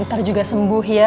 ntar juga sembuh ya